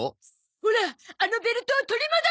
オラあのベルトを取り戻す！